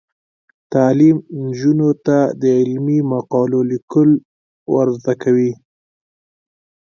تعلیم نجونو ته د علمي مقالو لیکل ور زده کوي.